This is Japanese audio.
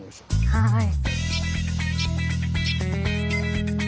はい。